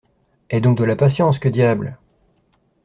Aie donc de la patience, que diable !…